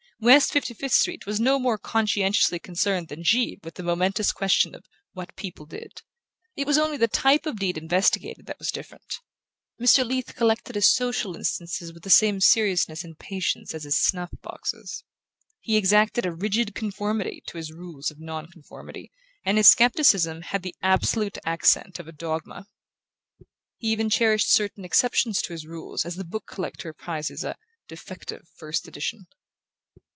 West Fifty fifth Street was no more conscientiously concerned than Givre with the momentous question of "what people did"; it was only the type of deed investigated that was different. Mr. Leath collected his social instances with the same seriousness and patience as his snuff boxes. He exacted a rigid conformity to his rules of non conformity and his scepticism had the absolute accent of a dogma. He even cherished certain exceptions to his rules as the book collector prizes a "defective" first edition.